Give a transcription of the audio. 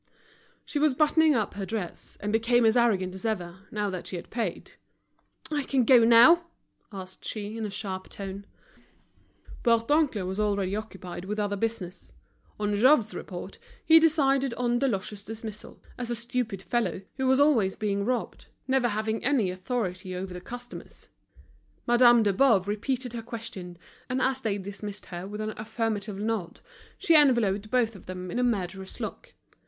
She was buttoning up her dress, and became as arrogant as ever, now that she had paid. "I can go now?" asked she, in a sharp tone. Bourdoncle was already occupied with other business. On Jouve's report, he decided on Deloche's dismissal, as a stupid fellow, who was always being robbed, never having any authority over the customers. Madame de Boves repeated her question, and as they dismissed her with an affirmative nod, she enveloped both of them in a murderous look.